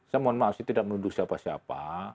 saya mohon maaf sih tidak menuduh siapa siapa